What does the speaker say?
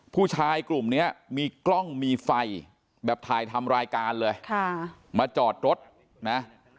ผู้ชายกลุ่มเนี้ยมีกล้องมีไฟแบบถ่ายทำรายการเลยค่ะมาจอดรถนะ